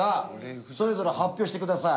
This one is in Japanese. それぞれ発表してください。